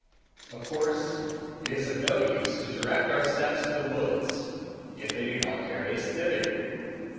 Of course it is of no use to direct our steps to the woods, if they do not carry us thither.